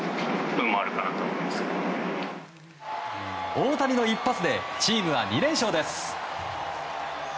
大谷の一発でチームは２連勝です。